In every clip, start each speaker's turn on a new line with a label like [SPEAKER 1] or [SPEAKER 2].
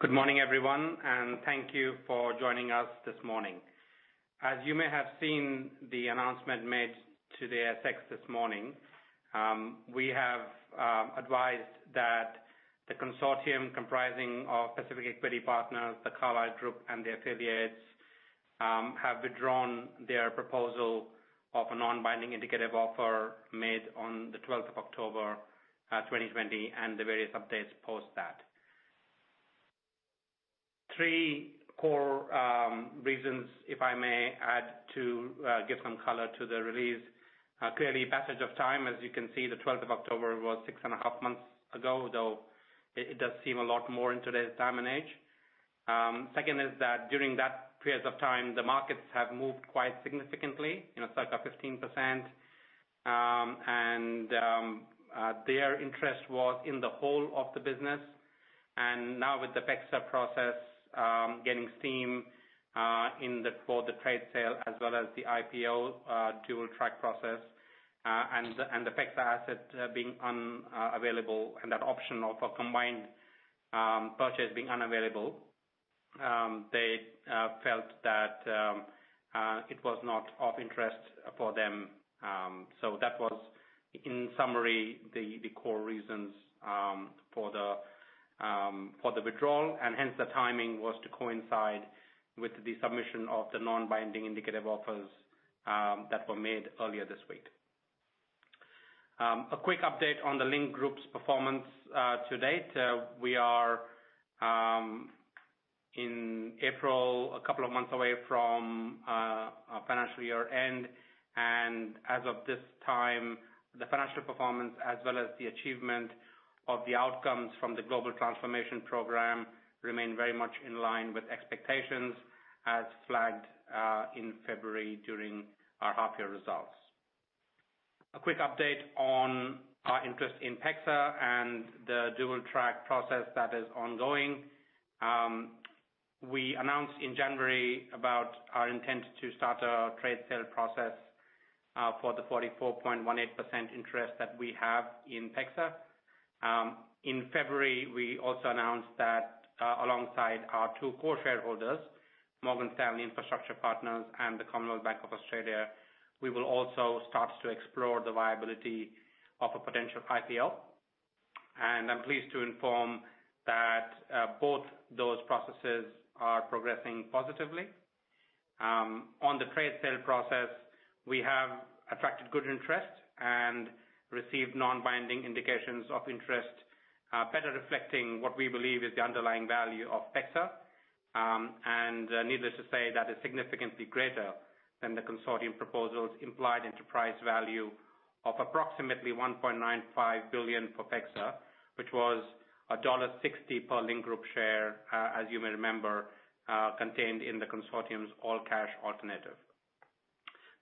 [SPEAKER 1] Good morning, everyone, and thank you for joining us this morning. As you may have seen the announcement made to the ASX this morning, we have advised that the consortium comprising of Pacific Equity Partners, the Carlyle Group, and their affiliates, have withdrawn their proposal of a non-binding indicative offer made on the 12th of October 2020, and the various updates post that. Three core reasons, if I may add, to give some color to the release. Clearly, passage of time, as you can see, the 12th of October was six and a half months ago, though it does seem a lot more in today's time and age. Second is that during that period of time, the markets have moved quite significantly, circa 15%, and their interest was in the whole of the business. Now with the PEXA process getting steam for the trade sale as well as the IPO dual-track process, and the PEXA asset being unavailable and that option of a combined purchase being unavailable, they felt that it was not of interest for them. That was, in summary, the core reasons for the withdrawal, and hence the timing was to coincide with the submission of the non-binding indicative offers that were made earlier this week. A quick update on the Link Group's performance to date. We are, in April, a couple of months away from our financial year-end, and as of this time, the financial performance, as well as the achievement of the outcomes from the global transformation program, remain very much in line with expectations as flagged in February during our half-year results. A quick update on our interest in PEXA and the dual-track process that is ongoing. We announced in January about our intent to start a trade sale process for the 44.18% interest that we have in PEXA. In February, we also announced that alongside our two core shareholders, Morgan Stanley Infrastructure Partners and the Commonwealth Bank of Australia, we will also start to explore the viability of a potential IPO. I'm pleased to inform that both those processes are progressing positively. On the trade sale process, we have attracted good interest and received non-binding indications of interest, better reflecting what we believe is the underlying value of PEXA. Needless to say, that is significantly greater than the consortium proposals implied enterprise value of approximately 1.95 billion for PEXA, which was dollar 1.60 per Link Group share, as you may remember, contained in the consortium's all-cash alternative.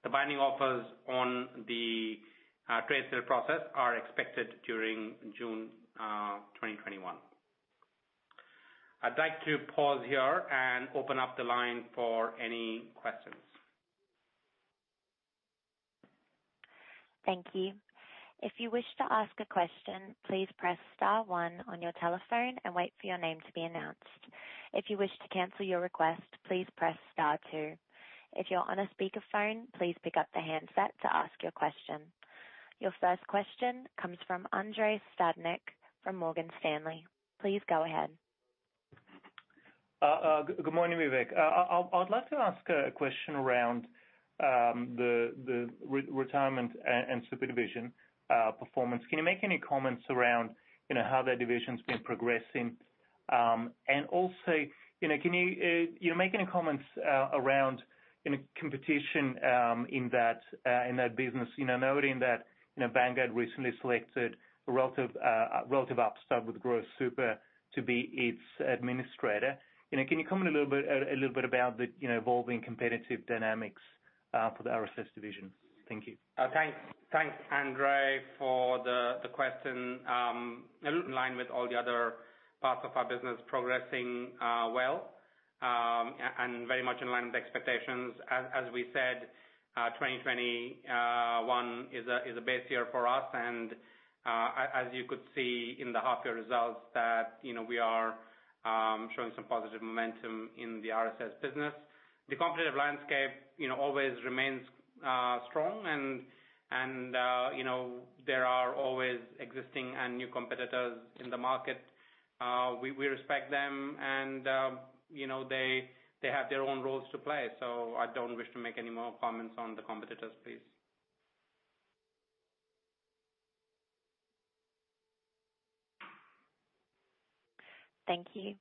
[SPEAKER 1] The binding offers on the trade sale process are expected during June 2021. I'd like to pause here and open up the line for any questions.
[SPEAKER 2] Thank you. If you wish to ask a question, please press star one on your telephone and wait for your name to be announced. If you wish to cancel your request, please press star two. If you're on a speakerphone, please pick up the handset to ask your question. Your first question comes from Andrei Stadnik from Morgan Stanley. Please go ahead.
[SPEAKER 3] Good morning, Vivek. I'd like to ask a question around the retirement and super division performance. Can you make any comments around how that division's been progressing? Also, can you make any comments around competition in that business, noting that Vanguard recently selected a relative upstart with Grow Super to be its administrator. Can you comment a little bit about the evolving competitive dynamics for the RSS division? Thank you.
[SPEAKER 1] Thanks, Andrei, for the question. In line with all the other parts of our business progressing well, and very much in line with expectations. As we said, 2021 is a base year for us, and as you could see in the half-year results that we are showing some positive momentum in the RSS business. The competitive landscape always remains strong and there are always existing and new competitors in the market. We respect them and they have their own roles to play. I don't wish to make any more comments on the competitors, please.
[SPEAKER 2] Thank you.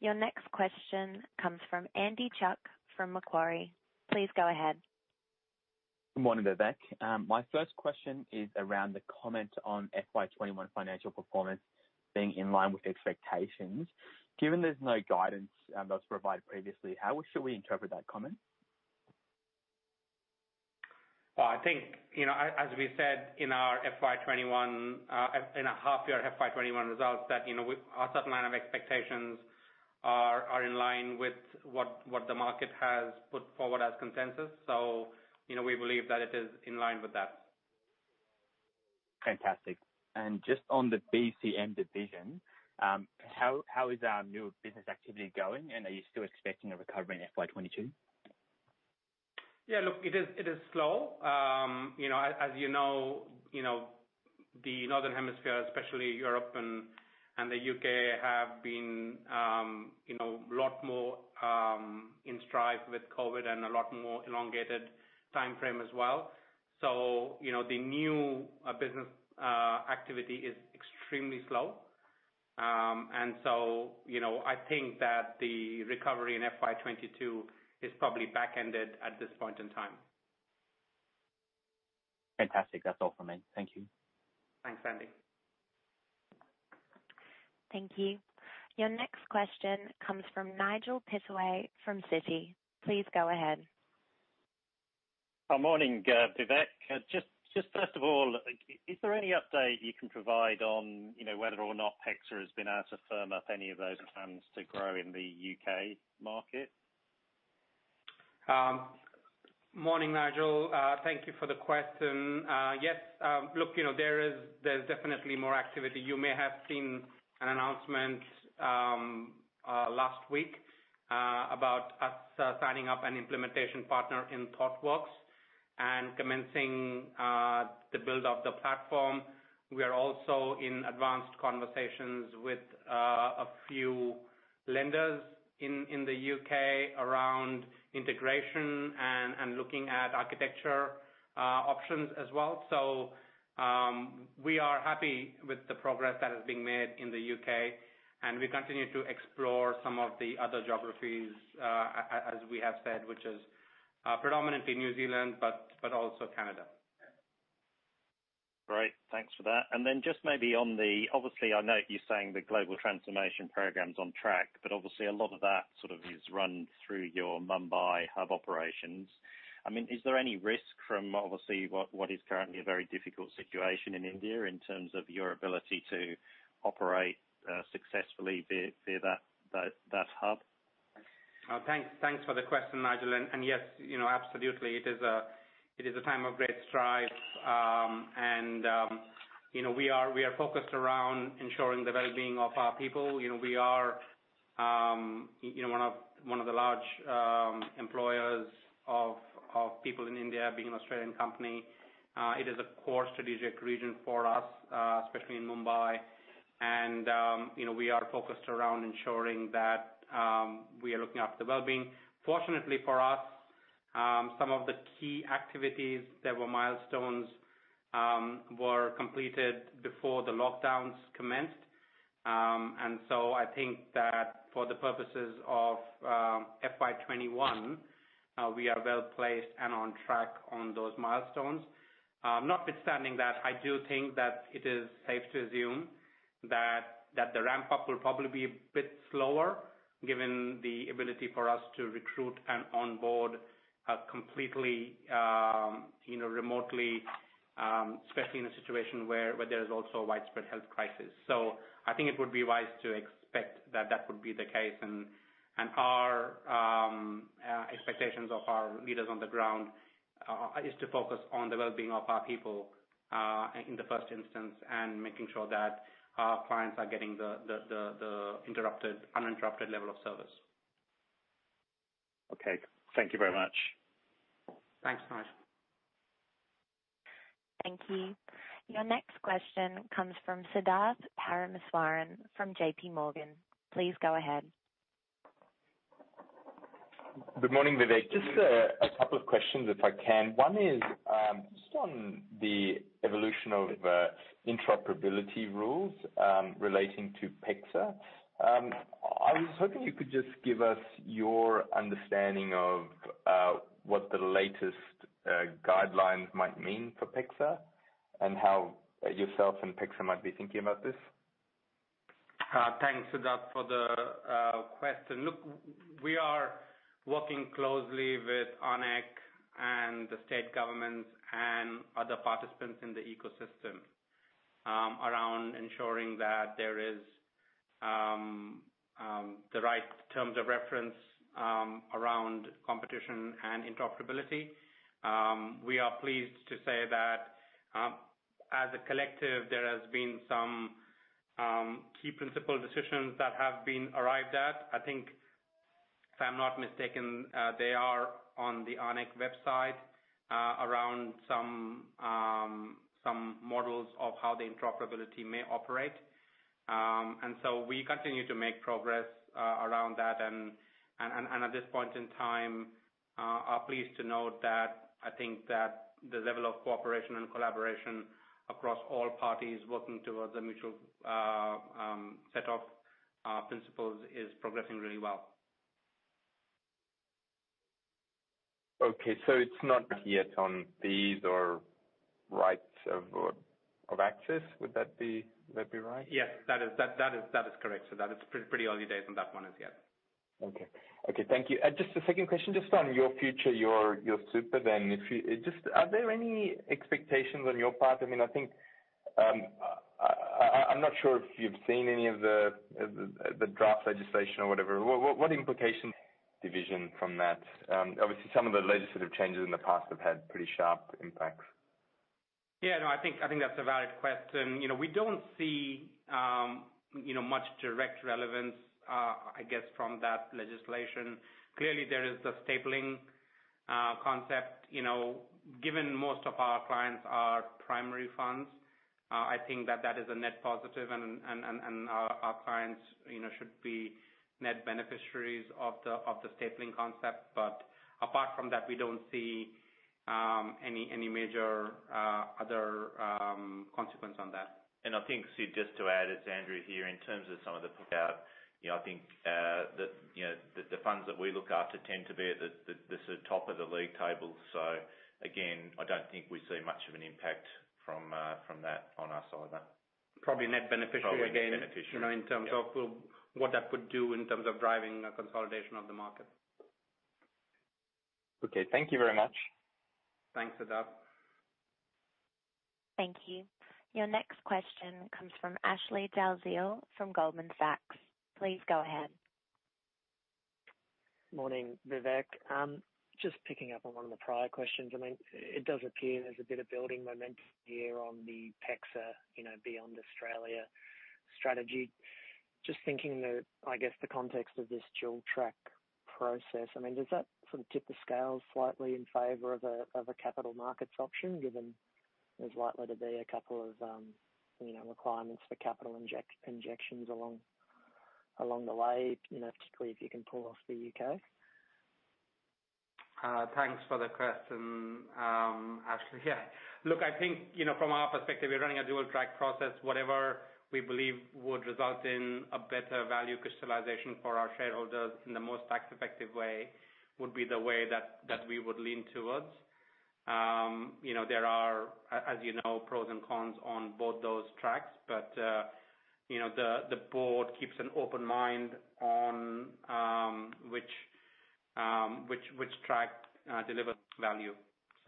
[SPEAKER 2] Your next question comes from Andy Chuk from Macquarie. Please go ahead.
[SPEAKER 4] Good morning, Vivek. My first question is around the comment on FY 2021 financial performance being in line with expectations. Given there's no guidance that was provided previously, how should we interpret that comment?
[SPEAKER 1] I think, as we said in our half year FY 2021 results, that our certain line of expectations are in line with what the market has put forward as consensus. We believe that it is in line with that.
[SPEAKER 4] Fantastic. Just on the BCM division, how is our new business activity going? Are you still expecting a recovery in FY 2022?
[SPEAKER 1] Yeah, look, it is slow. As you know, the Northern Hemisphere, especially Europe and the U.K., have been a lot more in strife with COVID and a lot more elongated timeframe as well. The new business activity is extremely slow. I think that the recovery in FY 2022 is probably backended at this point in time.
[SPEAKER 4] Fantastic. That's all from me. Thank you.
[SPEAKER 1] Thanks, Andy.
[SPEAKER 2] Thank you. Your next question comes from Nigel Pittaway from Citi. Please go ahead.
[SPEAKER 5] Good morning, Vivek. Just first of all, is there any update you can provide on whether or not PEXA has been able to firm up any of those plans to grow in the U.K. market?
[SPEAKER 1] Morning, Nigel. Thank you for the question. Yes. Look, there's definitely more activity. You may have seen an announcement last week, about us signing up an implementation partner in Thoughtworks and commencing the build of the platform. We are also in advanced conversations with a few lenders in the U.K. around integration and looking at architecture options as well. We are happy with the progress that is being made in the U.K., and we continue to explore some of the other geographies, as we have said, which is predominantly New Zealand, but also Canada.
[SPEAKER 5] Great. Thanks for that. Then just maybe on the Obviously, I note you saying the global transformation program's on track, but obviously a lot of that sort of is run through your Mumbai hub operations. Is there any risk from obviously what is currently a very difficult situation in India in terms of your ability to operate successfully via that hub?
[SPEAKER 1] Thanks for the question, Nigel. Yes, absolutely. It is a time of great strife. We are focused around ensuring the well-being of our people. We are one of the large employers of people in India, being an Australian company. It is a core strategic region for us, especially in Mumbai. We are focused around ensuring that we are looking after well-being. Fortunately for us, some of the key activities that were milestones were completed before the lockdowns commenced. I think that for the purposes of FY 2021, we are well-placed and on track on those milestones. Notwithstanding that, I do think that it is safe to assume that the ramp-up will probably be a bit slower given the ability for us to recruit and onboard completely, remotely, especially in a situation where there is also a widespread health crisis. I think it would be wise to expect that that would be the case, and our expectations of our leaders on the ground, is to focus on the well-being of our people, in the first instance, and making sure that our clients are getting the uninterrupted level of service.
[SPEAKER 5] Okay. Thank you very much.
[SPEAKER 1] Thanks, Nigel.
[SPEAKER 2] Thank you. Your next question comes from Siddharth Parameswaran from JPMorgan. Please go ahead.
[SPEAKER 6] Good morning, Vivek. Just a couple of questions if I can. One is just on the evolution of interoperability rules relating to PEXA. I was hoping you could just give us your understanding of what the latest guidelines might mean for PEXA and how yourself and PEXA might be thinking about this.
[SPEAKER 1] Thanks, Siddharth, for the question. Look, we are working closely with ARNECC and the state governments and other participants in the ecosystem, around ensuring that there is the right terms of reference around competition and interoperability. We are pleased to say that, as a collective, there has been some key principle decisions that have been arrived at. I think if I'm not mistaken, they are on the ARNECC website, around some models of how the interoperability may operate. We continue to make progress around that and at this point in time, are pleased to note that I think that the level of cooperation and collaboration across all parties working towards a mutual set of principles is progressing really well.
[SPEAKER 6] Okay, it's not yet on fees or rights of access. Would that be right?
[SPEAKER 1] Yes, that is correct. That is pretty early days on that one as yet.
[SPEAKER 6] Okay. Thank you. Just a second question, just on Your Super then. Are there any expectations on your part? I'm not sure if you've seen any of the draft legislation or whatever. What implications, division from that? Obviously, some of the legislative changes in the past have had pretty sharp impacts.
[SPEAKER 1] No, I think that's a valid question. We don't see much direct relevance, I guess, from that legislation. Clearly, there is the Stapling Concept. Given most of our clients are primary funds, I think that is a net positive and our clients should be net beneficiaries of the Stapling Concept. Apart from that, we don't see any major other consequence on that.
[SPEAKER 7] I think, Sid, just to add, it's Andrew here. In terms of some of the pickout, I think the funds that we look after tend to be at the sort of top of the league table. Again, I don't think we see much of an impact from that on us either.
[SPEAKER 1] Probably net beneficiary again.
[SPEAKER 7] Probably net beneficiary.
[SPEAKER 1] in terms of what that could do in terms of driving a consolidation of the market.
[SPEAKER 6] Okay, thank you very much.
[SPEAKER 1] Thanks, Siddharth.
[SPEAKER 2] Thank you. Your next question comes from Ashley Dalziell from Goldman Sachs. Please go ahead.
[SPEAKER 8] Morning, Vivek. Just picking up on one of the prior questions. It does appear there's a bit of building momentum here on the PEXA beyond Australia strategy. Just thinking that, I guess, the context of this dual-track process. Does that sort of tip the scales slightly in favor of a capital markets option, given there's likely to be a couple of requirements for capital injections along the way, particularly if you can pull off the U.K.?
[SPEAKER 1] Thanks for the question, Ashley. I think, from our perspective, we're running a dual-track process. Whatever we believe would result in a better value crystallization for our shareholders in the most tax-effective way would be the way that we would lean towards. There are, as you know, pros and cons on both those tracks. The board keeps an open mind on which track delivers value.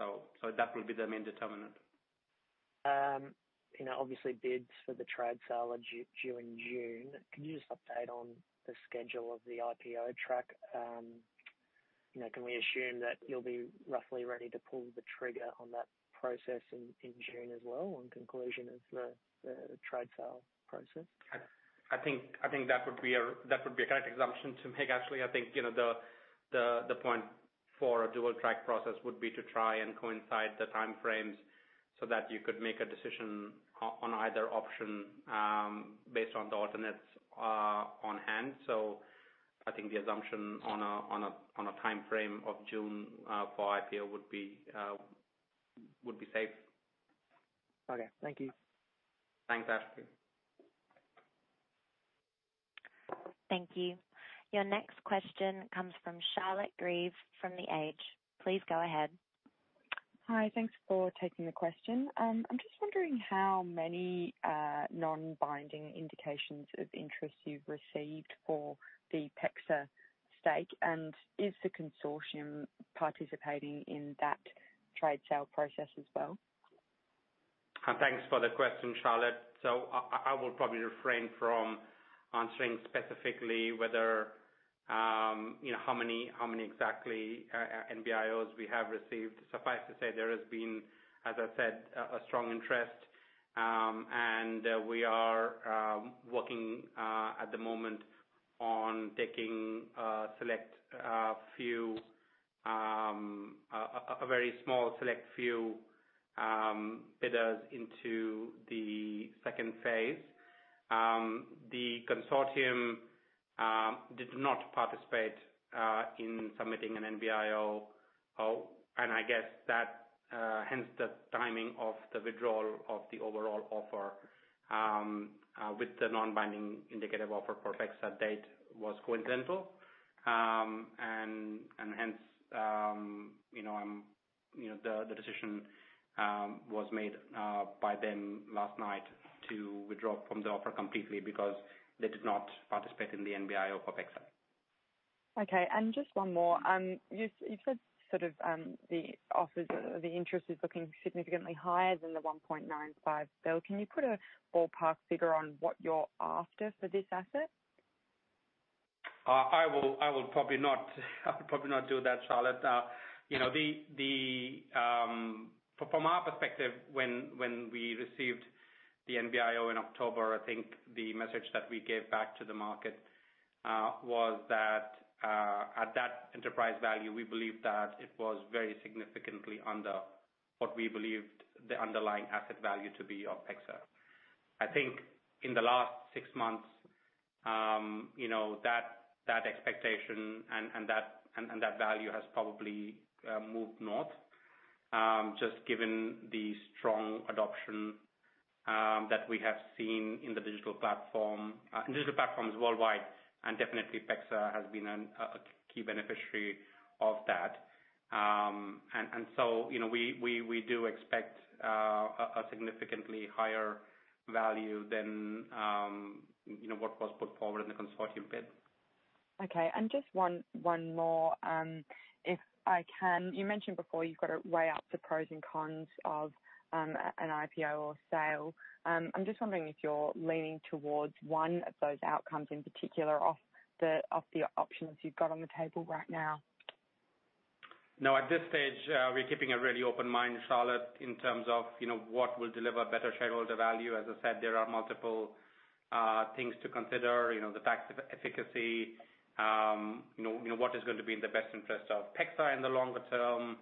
[SPEAKER 1] That will be the main determinant.
[SPEAKER 8] Obviously, bids for the trade sale are due in June. Can you just update on the schedule of the IPO track? Can we assume that you'll be roughly ready to pull the trigger on that process in June as well, on conclusion of the trade sale process?
[SPEAKER 1] I think that would be a correct assumption to make, Ashley. I think the point for a dual-track process would be to try and coincide the time frames so that you could make a decision on either option based on the alternates on hand. I think the assumption on a time frame of June for IPO would be safe.
[SPEAKER 8] Okay. Thank you.
[SPEAKER 1] Thanks, Ashley.
[SPEAKER 2] Thank you. Your next question comes from Charlotte Grieve from The Age. Please go ahead.
[SPEAKER 9] Hi, thanks for taking the question. I'm just wondering how many non-binding indications of interest you've received for the PEXA stake, and is the consortium participating in that trade sale process as well?
[SPEAKER 1] Thanks for the question, Charlotte. I will probably refrain from answering specifically how many exactly NBIOs we have received. Suffice to say, there has been, as I said, a strong interest. We are working at the moment on taking a very small select few bidders into the second phase. The consortium did not participate in submitting an NBIO. I guess, hence the timing of the withdrawal of the overall offer with the non-binding indicative offer for PEXA date was coincidental. Hence, the decision was made by them last night to withdraw from the offer completely because they did not participate in the NBIO for PEXA.
[SPEAKER 9] Okay. Just one more. You said the interest is looking significantly higher than the 1.95 billion. Can you put a ballpark figure on what you're after for this asset?
[SPEAKER 1] I will probably not do that, Charlotte. From our perspective, when we received the NBIO in October, I think the message that we gave back to the market was that at that enterprise value, we believed that it was very significantly under what we believed the underlying asset value to be of PEXA. I think in the last six months, that expectation and that value has probably moved north, just given the strong adoption that we have seen in the digital platforms worldwide, and definitely PEXA has been a key beneficiary of that. So, we do expect a significantly higher value than, you know, what was put forward in the consortium bid.
[SPEAKER 9] Okay. Just one more, if I can. You mentioned before you've got to weigh up the pros and cons of an IPO or sale. I'm just wondering if you're leaning towards one of those outcomes in particular of the options you've got on the table right now?
[SPEAKER 1] No, at this stage, we're keeping a really open mind, Charlotte, in terms of what will deliver better shareholder value. As I said, there are multiple things to consider, the tax efficacy, what is going to be in the best interest of PEXA in the longer term.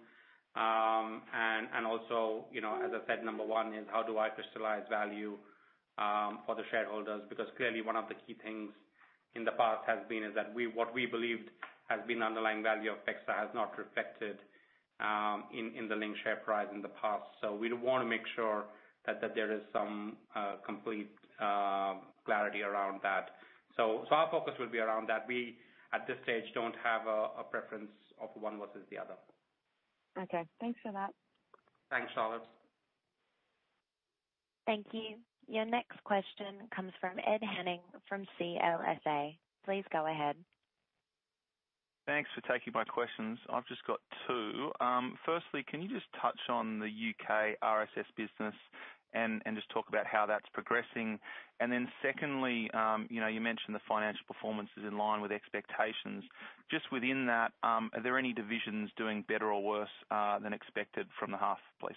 [SPEAKER 1] As I said, number one is how do I crystallize value for the shareholders? Because clearly one of the key things in the past has been is that what we believed has been underlying value of PEXA has not reflected in the Link Group share price in the past. We'd want to make sure that there is some complete clarity around that. Our focus will be around that. We, at this stage, don't have a preference of one versus the other.
[SPEAKER 9] Okay. Thanks for that.
[SPEAKER 1] Thanks, Charlotte.
[SPEAKER 2] Thank you. Your next question comes from Ed Henning from CLSA. Please go ahead.
[SPEAKER 10] Thanks for taking my questions. I've just got two. Can you just touch on the U.K. RSS business and just talk about how that's progressing? Secondly, you mentioned the financial performance is in line with expectations. Just within that, are there any divisions doing better or worse than expected from the half, please?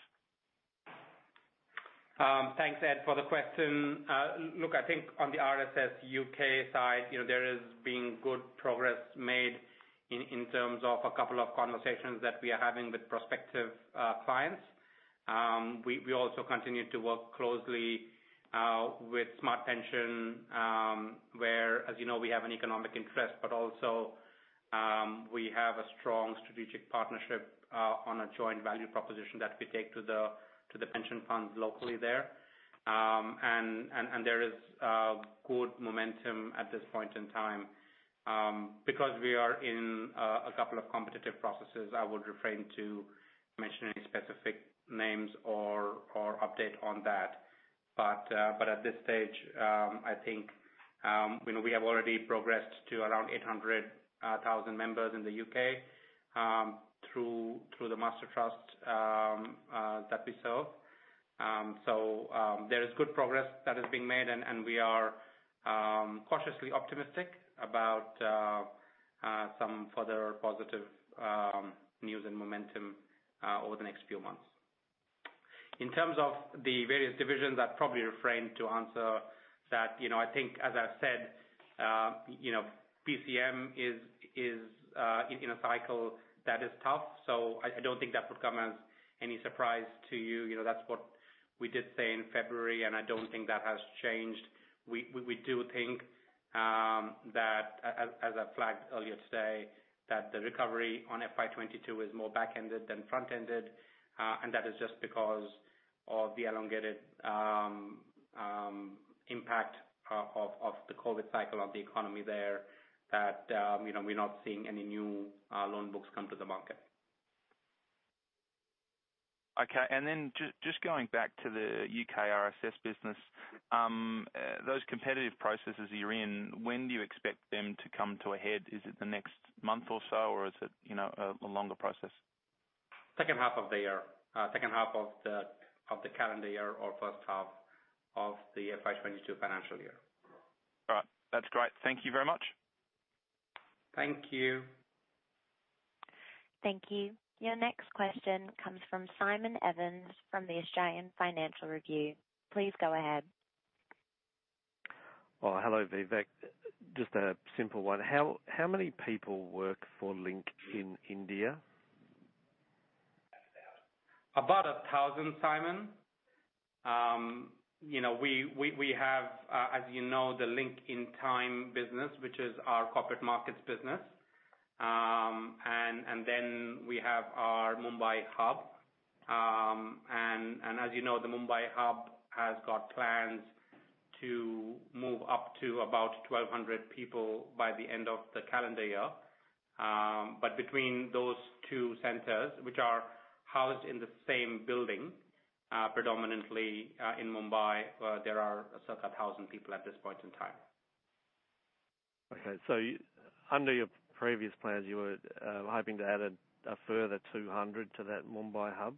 [SPEAKER 1] Thanks, Ed, for the question. I think on the RSS U.K. side, there has been good progress made in terms of a couple of conversations that we are having with prospective clients. We also continue to work closely with Smart Pension, where, as you know, we have an economic interest, also, we have a strong strategic partnership on a joint value proposition that we take to the pension funds locally there. There is good momentum at this point in time. Because we are in a couple of competitive processes, I would refrain to mention any specific names or update on that. At this stage, I think we have already progressed to around 800,000 members in the U.K., through the master trust that we serve. There is good progress that is being made, and we are cautiously optimistic about some further positive news and momentum over the next few months. In terms of the various divisions, I'd probably refrain to answer that. I think as I said, BCM is in a cycle that is tough, so I don't think that would come as any surprise to you. That's what we did say in February, and I don't think that has changed. We do think that, as I flagged earlier today, that the recovery on FY 2022 is more back-ended than front-ended, and that is just because of the elongated impact of the COVID cycle of the economy there that we're not seeing any new loan books come to the market.
[SPEAKER 10] Okay. Just going back to the U.K. RSS business. Those competitive processes you're in, when do you expect them to come to a head? Is it the next month or so, or is it a longer process?
[SPEAKER 1] Second half of the year. Second half of the calendar year or first half of the FY 2022 financial year.
[SPEAKER 10] All right. That's great. Thank you very much.
[SPEAKER 1] Thank you.
[SPEAKER 2] Thank you. Your next question comes from Simon Evans from The Australian Financial Review. Please go ahead.
[SPEAKER 11] Well, hello, Vivek. Just a simple one. How many people work for Link in India?
[SPEAKER 1] About 1,000, Simon. We have, as you know, the Link Intime business, which is our corporate markets business. We have our Mumbai hub. As you know, the Mumbai hub has got plans to move up to about 1,200 people by the end of the calendar year. Between those two centers, which are housed in the same building, predominantly in Mumbai, there are circa 1,000 people at this point in time.
[SPEAKER 11] Okay. Under your previous plans, you were hoping to add a further 200 to that Mumbai hub?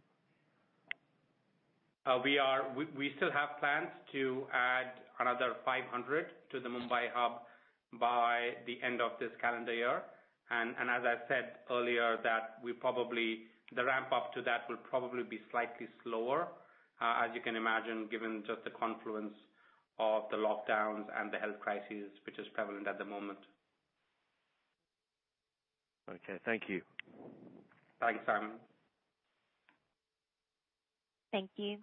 [SPEAKER 1] We still have plans to add another 500 to the Mumbai hub by the end of this calendar year. As I said earlier that the ramp-up to that will probably be slightly slower, as you can imagine, given just the confluence of the lockdowns and the health crisis, which is prevalent at the moment.
[SPEAKER 11] Okay. Thank you.
[SPEAKER 1] Thanks, Simon.
[SPEAKER 2] Thank you.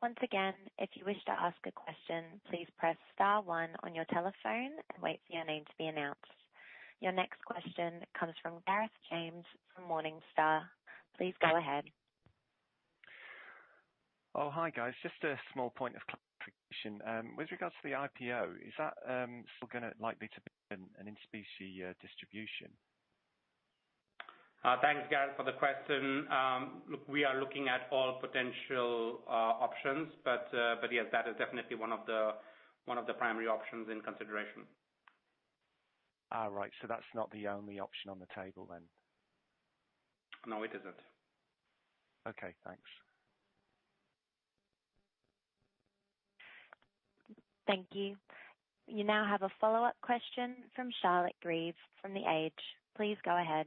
[SPEAKER 2] Once again, if you wish to ask a question, please press star one on your telephone and wait for your name to be announced. Your next question comes from Gareth James from Morningstar. Please go ahead.
[SPEAKER 12] Oh, hi, guys. Just a small point of clarification. With regards to the IPO, is that still likely to be an in-specie distribution?
[SPEAKER 1] Thanks, Gareth, for the question. We are looking at all potential options, but yes, that is definitely one of the primary options in consideration.
[SPEAKER 12] All right. That's not the only option on the table then?
[SPEAKER 1] No, it isn't.
[SPEAKER 12] Okay. Thanks.
[SPEAKER 2] Thank you. You now have a follow-up question from Charlotte Grieve from The Age. Please go ahead.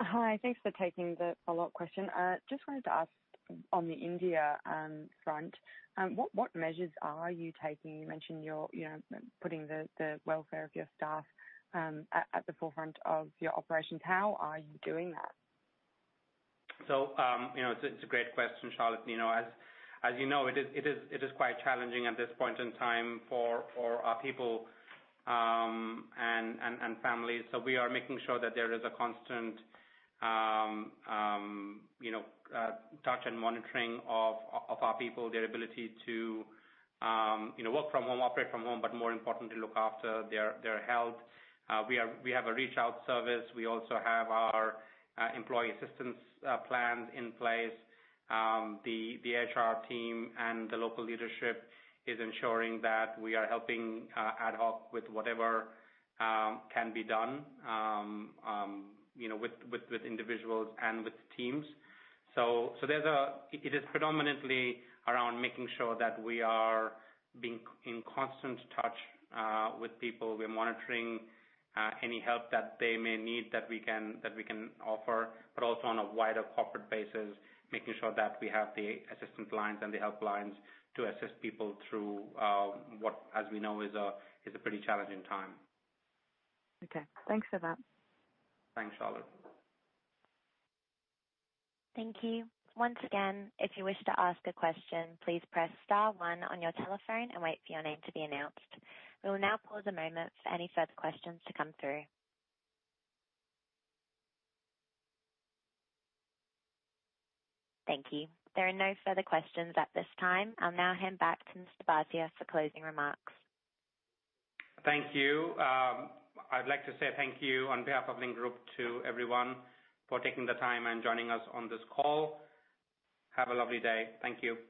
[SPEAKER 9] Hi. Thanks for taking the follow-up question. Just wanted to ask on the India front, what measures are you taking? You mentioned you're putting the welfare of your staff at the forefront of your operations. How are you doing that?
[SPEAKER 1] It's a great question, Charlotte. As you know, it is quite challenging at this point in time for our people and families. We are making sure that there is a constant touch and monitoring of our people, their ability to work from home, operate from home, but more importantly, look after their health. We have a reach-out service. We also have our employee assistance plans in place. The HR team and the local leadership is ensuring that we are helping ad hoc with whatever can be done with individuals and with teams. It is predominantly around making sure that we are being in constant touch with people. We're monitoring any help that they may need that we can offer, but also on a wider corporate basis, making sure that we have the assistance lines and the help lines to assist people through what, as we know, is a pretty challenging time.
[SPEAKER 9] Okay. Thanks for that.
[SPEAKER 1] Thanks, Charlotte.
[SPEAKER 2] Thank you. Once again, if you wish to ask a question, please press star one on your telephone and wait for your name to be announced. We will now pause a moment for any further questions to come through. Thank you. There are no further questions at this time. I'll now hand back to Mr Bhatia for closing remarks.
[SPEAKER 1] Thank you. I'd like to say thank you on behalf of Link Group to everyone for taking the time and joining us on this call. Have a lovely day. Thank you.